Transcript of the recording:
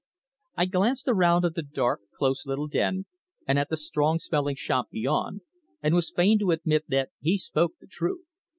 I glanced around at the dark, close little den, and at the strong smelling shop beyond, and was fain to admit that he spoke the truth.